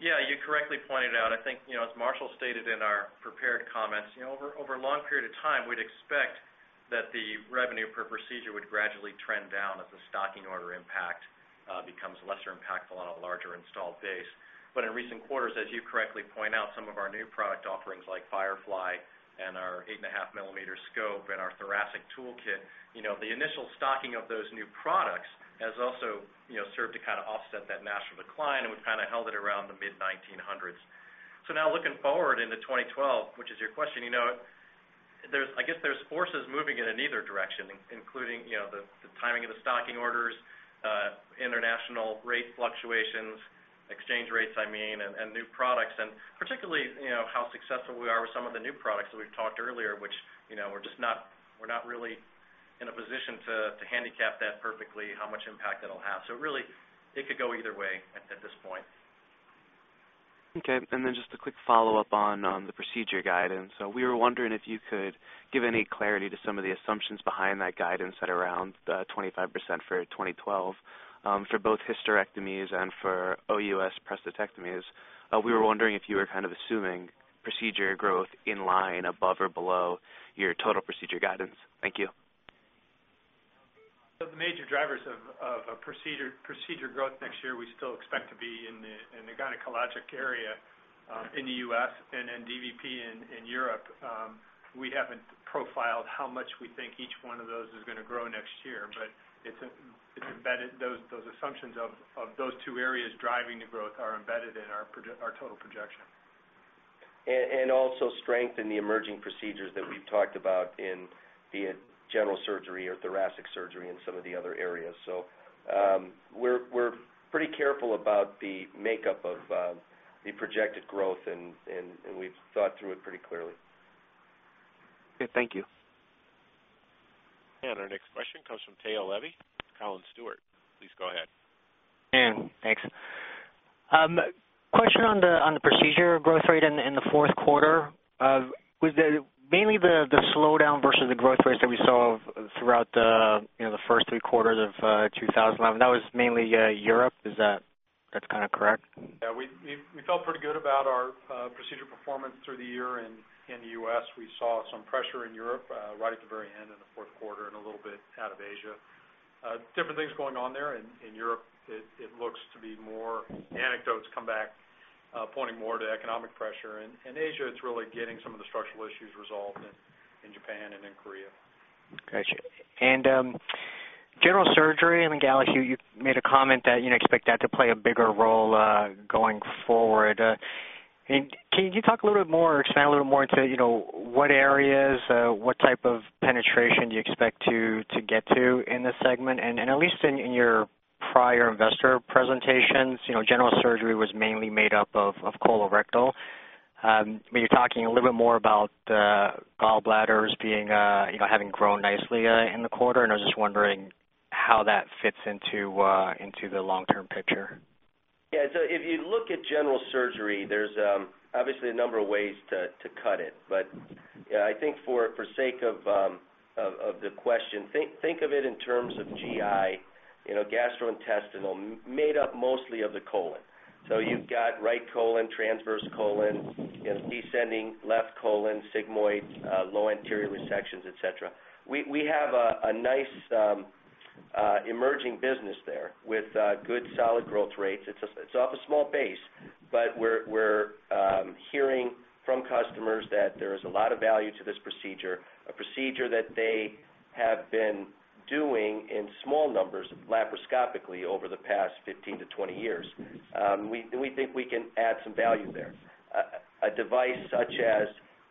You correctly pointed out, I think, as Marshall stated in our prepared comments, over a long period of time, we'd expect that the revenue per procedure would gradually trend down as the stocking order impact becomes less impactful on a larger installed base. In recent quarters, as you correctly point out, some of our new product offerings like Firefly and our 8.5 mm scope and our thoracic toolkit, the initial stocking of those new products has also served to kind of offset that national decline, and we've kind of held it around the mid $1,900. Now looking forward into 2012, which is your question, I guess there's forces moving in either direction, including the timing of the stocking orders, international rate fluctuations, exchange rates, and new products, and particularly how successful we are with some of the new products that we've talked earlier, which we're just not really in a position to handicap that perfectly how much impact that'll have. It could go either way at this point. Okay. Just a quick follow-up on the procedure guidance. We were wondering if you could give any clarity to some of the assumptions behind that guidance at around 25% for 2012 for both hysterectomies and for OUS prostatectomies. We were wondering if you were kind of assuming procedure growth in line above or below your total procedure guidance. Thank you. The major drivers of procedure growth next year we still expect to be in the gynecologic area in the U.S. and then dVP in Europe. We haven't profiled how much we think each one of those is going to grow next year, but those assumptions of those two areas driving the growth are embedded in our total projection. We also strengthen the emerging procedures that we've talked about in general surgery or thoracic surgery and some of the other areas. We're pretty careful about the makeup of the projected growth, and we've thought through it pretty clearly. Thank you. Our next question comes from Tao Levy, Collins Stewart. Please go ahead. Thanks. Question on the procedure growth rate in the fourth quarter. Mainly the slowdown versus the growth rates that we saw throughout the first three quarters of 2011. That was mainly Europe. Is that kind of correct? Yeah. We felt pretty good about our procedure performance through the year in the U.S. We saw some pressure in Europe right at the very end in the fourth quarter and a little bit out of Asia. Different things going on there. In Europe, it looks to be more the anecdotes come back pointing more to economic pressure. In Asia, it's really getting some of the structural issues resolved in Japan and in Korea. Gotcha. General surgery, I mean, Aleks, you made a comment that you expect that to play a bigger role going forward. Can you talk a little bit more, expand a little more into what areas, what type of penetration do you expect to get to in this segment? At least in your prior investor presentations, general surgery was mainly made up of colorectal. You're talking a little bit more about the gallbladders having grown nicely in the quarter, and I was just wondering how that fits into the long-term picture. Yeah. If you look at general surgery, there's obviously a number of ways to cut it. I think for the sake of the question, think of it in terms of GI, you know, gastrointestinal, made up mostly of the colon. You've got right colon, transverse colon, descending left colon, sigmoid, low anterior resections, etc. We have a nice emerging business there with good solid growth rates. It's off a small base, but we're hearing from customers that there is a lot of value to this procedure, a procedure that they have been doing in small numbers laparoscopically over the past 15-20 years. We think we can add some value there. A device such as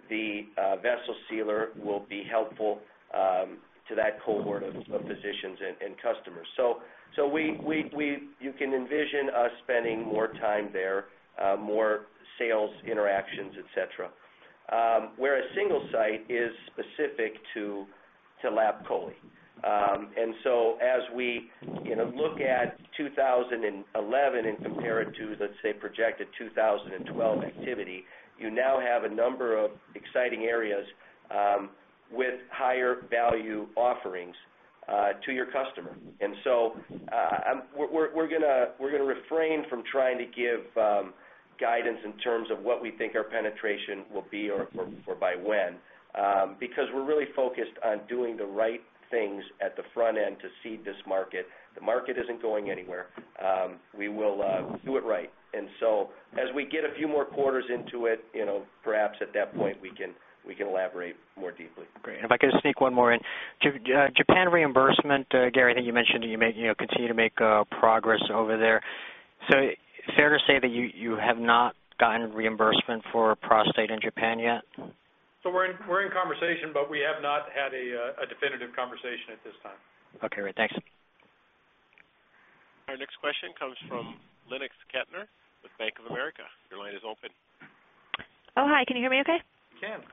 the vessel sealer will be helpful to that cohort of physicians and customers. You can envision us spending more time there, more sales interactions, etc., whereas single-site is specific to lap chole. As we look at 2011 and compare it to, let's say, projected 2012 activity, you now have a number of exciting areas with higher value offerings to your customer. We're going to refrain from trying to give guidance in terms of what we think our penetration will be or by when because we're really focused on doing the right things at the front end to seed this market. The market isn't going anywhere. We will do it right. As we get a few more quarters into it, you know, perhaps at that point we can elaborate more deeply. Great. If I could sneak one more in, Japan reimbursement, Gary, I think you mentioned that you continue to make progress over there. Is it fair to say that you have not gotten reimbursement for prostate in Japan yet? We are in conversation, but we have not had a definitive conversation at this time. Okay. Right. Thanks. Our next question comes from Lennox Ketner with Bank of America. Your line is open. Hi. Can you hear me okay? Can.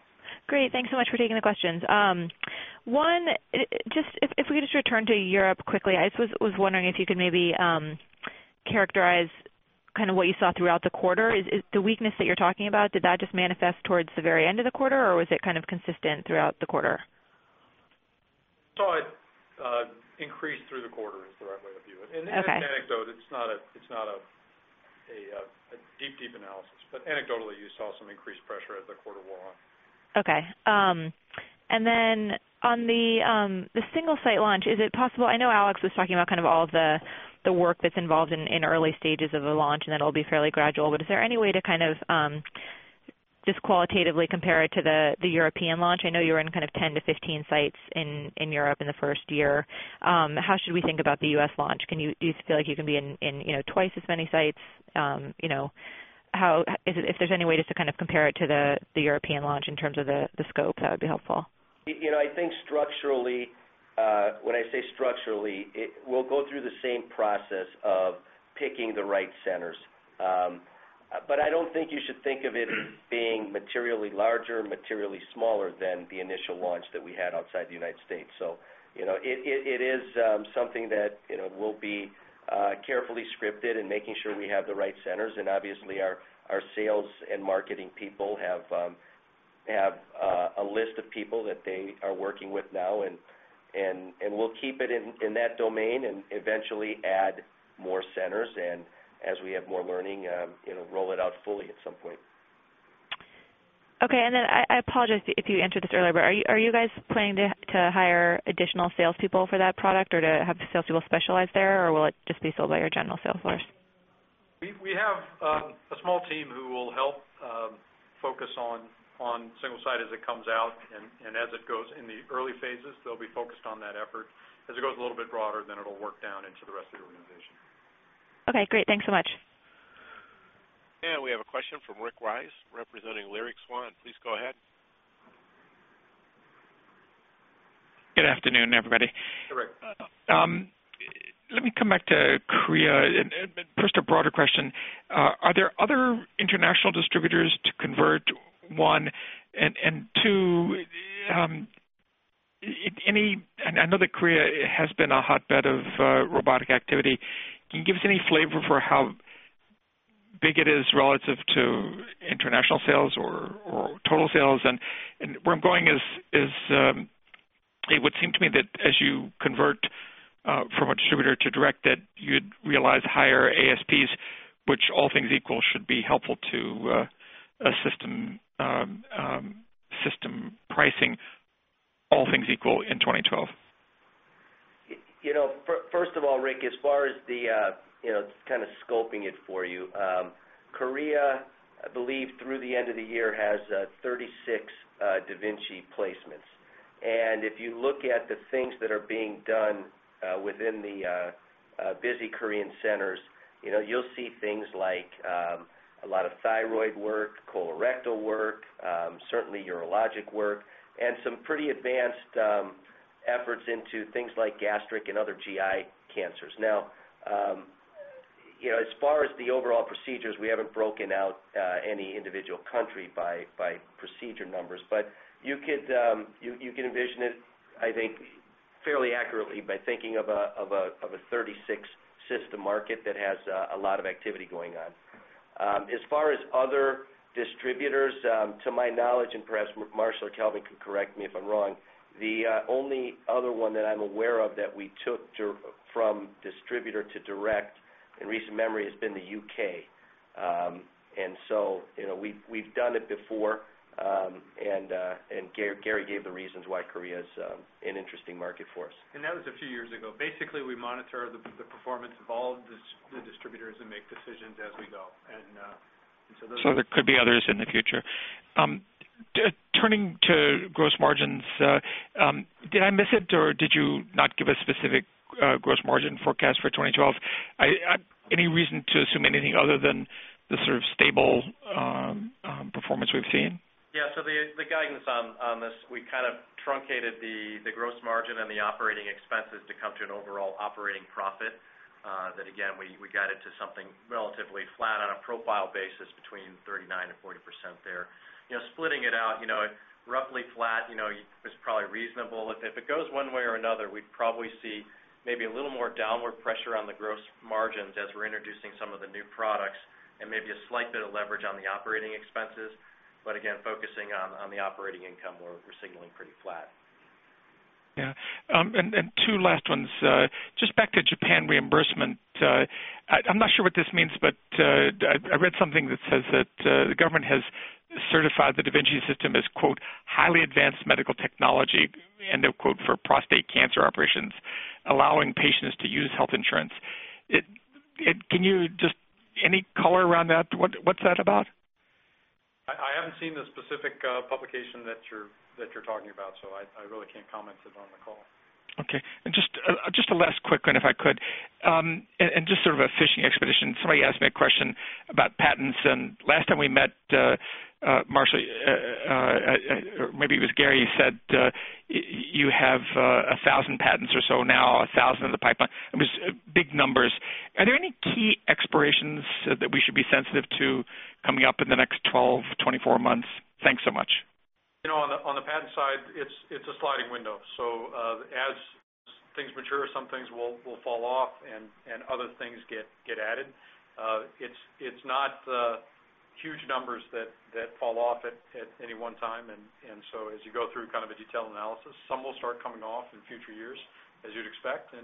Great. Thanks so much for taking the questions. One, just if we could just return to Europe quickly. I just was wondering if you could maybe characterize kind of what you saw throughout the quarter. Is the weakness that you're talking about, did that just manifest towards the very end of the quarter, or was it kind of consistent throughout the quarter? It increased through the quarter, which is the right way to view it. This is anecdote. It's not a deep, deep analysis, but anecdotally, you saw some increased pressure as the quarter wore on. Okay. On the single-site launch, is it possible? I know Aleks was talking about all of the work that's involved in early stages of a launch, and that it'll be fairly gradual. Is there any way to just qualitatively compare it to the European launch? I know you were in 10-15 sites in Europe in the first year. How should we think about the U.S. launch? Do you feel like you can be in twice as many sites? If there's any way to compare it to the European launch in terms of the scope, that would be helpful. I think structurally, when I say structurally, we'll go through the same process of picking the right centers. I don't think you should think of it being materially larger or materially smaller than the initial launch that we had outside the U.S. It is something that will be carefully scripted, making sure we have the right centers. Obviously, our sales and marketing people have a list of people that they are working with now. We'll keep it in that domain and eventually add more centers. As we have more learning, roll it out fully at some point. Okay. I apologize if you answered this earlier, but are you guys planning to hire additional salespeople for that product or to have salespeople specialize there, or will it just be sold by your general sales force? We have a small team who will help focus on single-site as it comes out. As it goes in the early phases, they'll be focused on that effort. As it goes a little bit broader, it'll work down into the rest of the organization. Okay. Great. Thanks so much. We have a question from Rick Wise representing Leerink Swann. Please go ahead. Good afternoon, everybody. Let me come back to Korea and push the broader question. Are there other international distributors to convert, one? Two, I know that Korea has been a hotbed of robotic activity. Can you give us any flavor for how big it is relative to international sales or total sales? Where I'm going is it would seem to me that as you convert from a distributor to direct, you'd realize higher ASPs, which all things equal should be helpful to system pricing, all things equal, in 2012. First of all, Rick, as far as scoping it for you, Korea, I believe, through the end of the year has 36 da Vinci placements. If you look at the things that are being done within the busy Korean centers, you'll see things like a lot of thyroid work, colorectal work, certainly urologic work, and some pretty advanced efforts into things like gastric and other GI cancers. As far as the overall procedures, we haven't broken out any individual country by procedure numbers. You could envision it, I think, fairly accurately by thinking of a 36-system market that has a lot of activity going on. As far as other distributors, to my knowledge, and perhaps Marshall or Calvin can correct me if I'm wrong, the only other one that I'm aware of that we took from distributor to direct in recent memory has been the U.K. We've done it before, and Gary gave the reasons why Korea is an interesting market for us. That was a few years ago. We monitor the performance of all the distributors and make decisions as we go. Those. There could be others in the future. Turning to gross margins, did I miss it, or did you not give a specific gross margin forecast for 2012? Any reason to assume anything other than the sort of stable performance we've seen? Yeah. The guidance on this, we kind of truncated the gross margin and the operating expenses to come to an overall operating profit that, again, we got it to something relatively flat on a profile basis between 39% and 40% there. Splitting it out, roughly flat is probably reasonable. If it goes one way or another, we'd probably see maybe a little more downward pressure on the gross margins as we're introducing some of the new products and maybe a slight bit of leverage on the operating expenses. Again, focusing on the operating income, we're signaling pretty flat. Yeah. Two last ones. Just back to Japan reimbursement, I'm not sure what this means, but I read something that says that the government has certified the da Vinci system as, quote, "highly advanced medical technology," end of quote, for prostate cancer operations, allowing patients to use health insurance. Can you just any color around that? What's that about? I haven't seen the specific publication that you're talking about, so I really can't comment on it on the call. Okay. Just a last quick one, if I could, just sort of a fishing expedition. Somebody asked me a question about patents. Last time we met, Marshall, or maybe it was Gary, said you have 1,000 patents or so now, 1,000 in the pipeline. It was big numbers. Are there any key expirations that we should be sensitive to coming up in the next 12-24 months? Thanks so much. You know, on the patent side, it's a sliding window. As things mature, some things will fall off and other things get added. It's not huge numbers that fall off at any one time. As you go through kind of a detailed analysis, some will start coming off in future years, as you'd expect.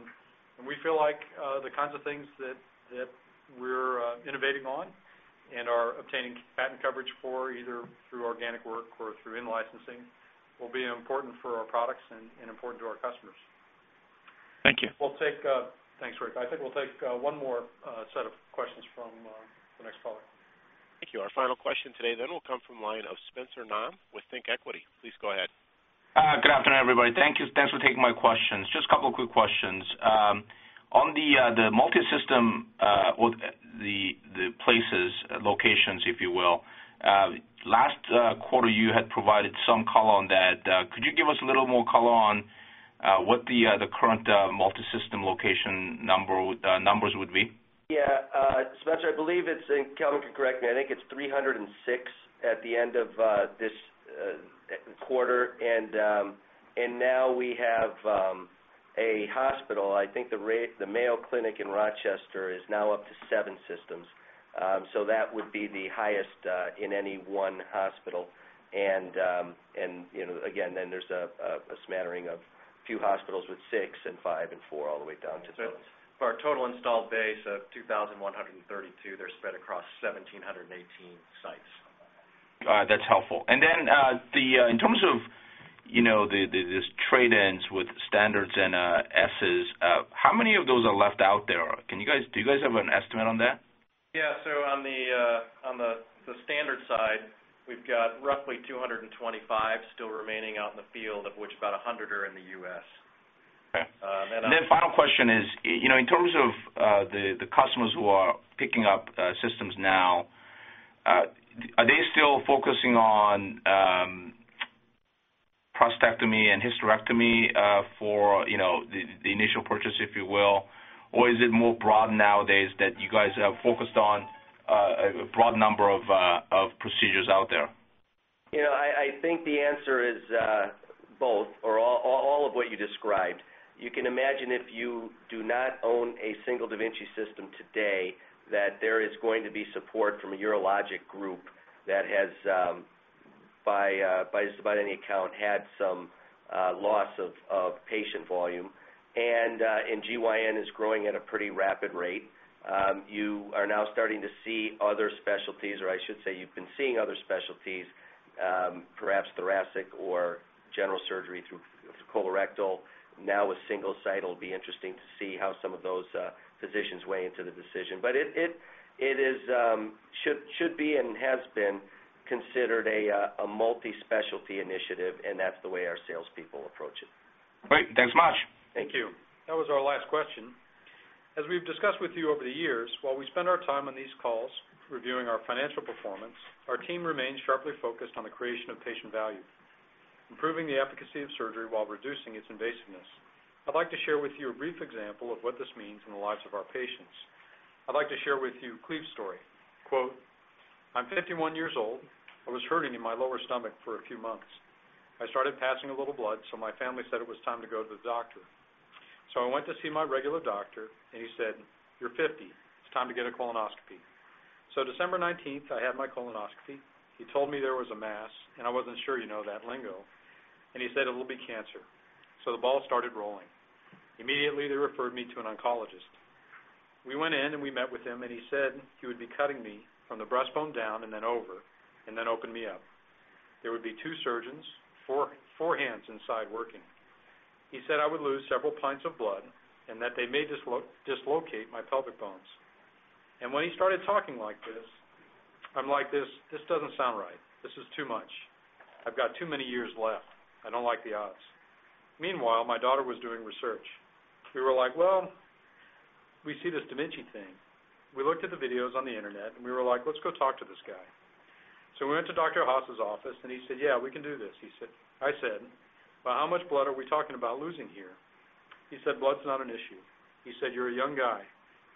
We feel like the kinds of things that we're innovating on and are obtaining patent coverage for, either through organic work or through in-licensing, will be important for our products and important to our customers. Thank you. Thank you, Rick. I think we'll take one more set of questions from the next caller. Thank you. Our final question today will come from the line of Spencer Nam with ThinkEquity. Please go ahead. Good afternoon, everybody. Thank you. Thanks for taking my questions. Just a couple of quick questions. On the multi-system places, locations, if you will, last quarter you had provided some color on that. Could you give us a little more color on what the current multi-system location numbers would be? Yeah. Spencer, I believe it's, and Calvin can correct me, I think it's 306 at the end of this quarter. Now we have a hospital, I think the Mayo Clinic in Rochester is now up to seven systems. That would be the highest in any one hospital. Again, there's a smattering of a few hospitals with six and five and four all the way down to the. Our total installed base of 2,132 is spread across 1,718 sites. That's helpful. In terms of this trade ends with standards and S's, how many of those are left out there? Do you guys have an estimate on that? Yeah. On the standard side, we've got roughly 225 still remaining out in the field, of which about 100 are in the U.S. Okay. The final question is, in terms of the customers who are picking up systems now, are they still focusing on prostatectomy and hysterectomy for the initial purchase, if you will, or is it more broad nowadays that you guys have focused on a broad number of procedures out there? I think the answer is both or all of what you described. You can imagine if you do not own a single da Vinci System today that there is going to be support from a urologic group that has, by just about any account, had some loss of patient volume. GYN is growing at a pretty rapid rate. You are now starting to see other specialties, or I should say you've been seeing other specialties, perhaps thoracic or general surgery through colorectal. Now with single-site, it'll be interesting to see how some of those physicians weigh into the decision. It should be and has been considered a multi-specialty initiative, and that's the way our salespeople approach it. Great. Thanks so much. Thank you. That was our last question. As we've discussed with you over the years, while we spend our time on these calls reviewing our financial performance, our team remains sharply focused on the creation of patient value, improving the efficacy of surgery while reducing its invasiveness. I'd like to share with you a brief example of what this means in the lives of our patients. I'd like to share with you Cleve's story. Quote, "I'm 51 years old. I was hurting in my lower stomach for a few months. I started passing a little blood, so my family said it was time to go to the doctor. I went to see my regular doctor, and he said, 'You're 50. It's time to get a colonoscopy.' December 19th, I had my colonoscopy. He told me there was a mass, and I wasn't sure, you know, that lingo. He said, 'It'll be cancer.' The ball started rolling. Immediately, they referred me to an oncologist. We went in and we met with him, and he said he would be cutting me from the breastbone down and then over and then open me up. There would be two surgeons, four hands inside working. He said I would lose several pints of blood and that they may dislocate my pelvic bones. When he started talking like this, I'm like, 'This doesn't sound right. This is too much. I've got too many years left. I don't like the odds.' Meanwhile, my daughter was doing research. We were like, 'We see this da Vinci thing.' We looked at the videos on the internet, and we were like, 'Let's go talk to this guy.' We went to Dr. Ahsa's office, and he said, 'Yeah, we can do this.' I said, 'But how much blood are we talking about losing here?' He said, 'Blood's not an issue.' He said, 'You're a young guy.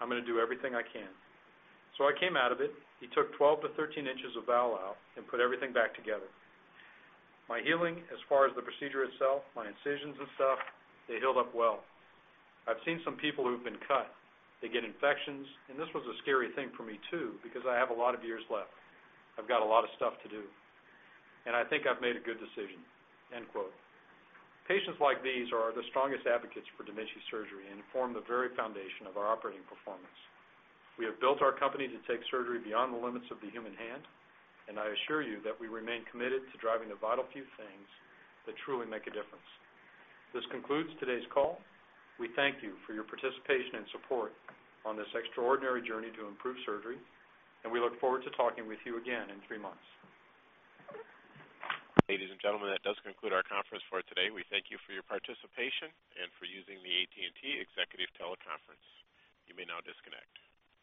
I'm going to do everything I can.' I came out of it. He took 12-13 in of bowel out and put everything back together. My healing, as far as the procedure itself, my incisions and stuff, they healed up well. I've seen some people who've been cut. They get infections, and this was a scary thing for me too because I have a lot of years left. I've got a lot of stuff to do. I think I've made a good decision." End quote. Patients like these are the strongest advocates for da Vinci surgery and form the very foundation of our operating performance. We have built our company to take surgery beyond the limits of the human hand, and I assure you that we remain committed to driving the vital few things that truly make a difference. This concludes today's call. We thank you for your participation and support on this extraordinary journey to improve surgery, and we look forward to talking with you again in three months. Ladies and gentlemen, that does conclude our conference for today. We thank you for your participation and for using the AT&T executive teleconference. You may now disconnect.